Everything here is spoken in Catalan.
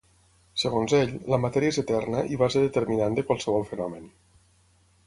Segons ell, la matèria és eterna i base determinant de qualsevol fenomen.